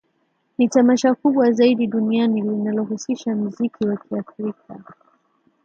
Ni Tamasha kubwa zaidi duniani linalohusisha mziki wa kiafrika